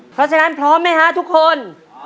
เพราะฉะนั้นพร้อมไหมฮะทุกคน